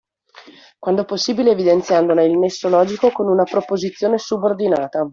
Quando possibile evidenziandone il nesso logico con una proposizione subordinata.